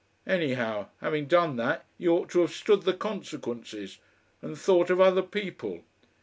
Anyhow having done that, you ought to have stood the consequences and thought of other people.